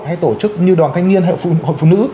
hay tổ chức như đoàn thanh niên hội phụ nữ